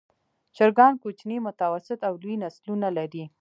چرګان کوچني، متوسط او لوی نسلونه لري.